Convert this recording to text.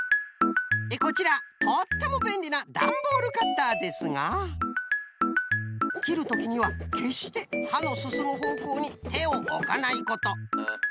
こちらとってもべんりなダンボールカッターですがきるときにはけっしてはのすすむほうこうにてをおかないこと！